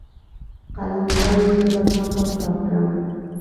قلم وايي، زه به تا باچا کړم.